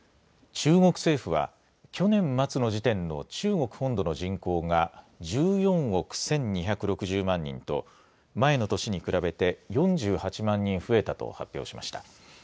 中国政府は、去年末の時点の中国本土の人口が、１４億１２６０万人と、前の年に比べて４８万人増えたと発表しました。